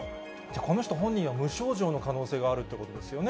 この人、本人は無症状の可能性があるっていうことですよね？